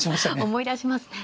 思い出しますね。